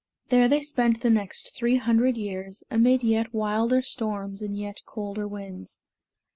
There they spent the next three hundred years, amid yet wilder storms and yet colder winds.